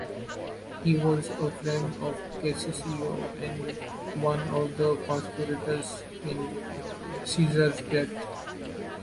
He was a friend of Cassius and one of the conspirators in Caesar's death.